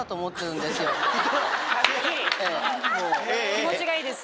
気持ちがいいです。